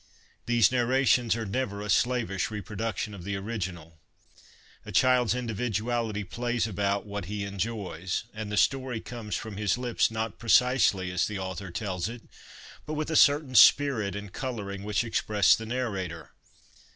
These narrations are never a slavish reproduction of the original. A child's individuality plays about what he enjoys, and the story comes from his lips, not precisely as the author tells it, but with a certain spirit and colouring which express the narrator.